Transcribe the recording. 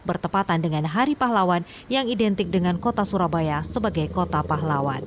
bertepatan dengan hari pahlawan yang identik dengan kota surabaya sebagai kota pahlawan